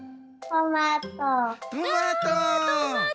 トマト！